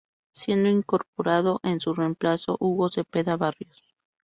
Siendo incorporado en su reemplazo, Hugo Zepeda Barrios.